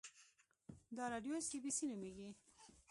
دا راډیو سي بي سي نومیږي